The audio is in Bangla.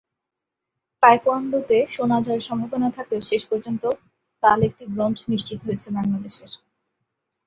তায়কোয়ান্দোতে সোনা জয়ের সম্ভাবনা থাকলেও শেষ পর্যন্ত কাল একটি ব্রোঞ্জ নিশ্চিত হয়েছে বাংলাদেশের।